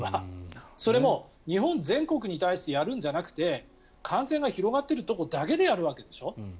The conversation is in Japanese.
それも日本全国に対してやるんじゃなくて感染が広がっているところだけでやるわけでしょ。